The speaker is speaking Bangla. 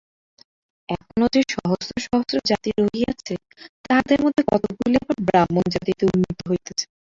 এখনও যে সহস্র সহস্র জাতি রহিয়াছে, তাহাদের মধ্যে কতকগুলি আবার ব্রাহ্মণজাতিতে উন্নীত হইতেছে।